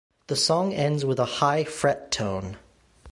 The song ends with a high fret tone.